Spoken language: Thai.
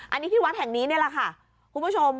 อันนี้ที่วัดแห่งนี้นี่แหละค่ะคุณผู้ชม